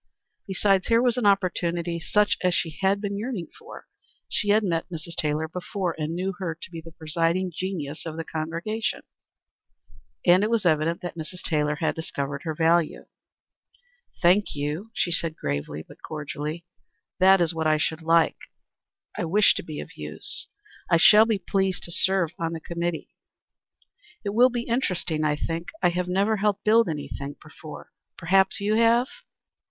Besides here was an opportunity such as she had been yearning for. She had met Mrs. Taylor before, and knew her to be the presiding genius of the congregation; and it was evident that Mrs. Taylor had discovered her value. "Thank you," she said, gravely, but cordially. "That is what I should like. I wish to be of use. I shall be pleased to serve on the committee." "It will be interesting, I think. I have never helped build anything before. Perhaps you have?"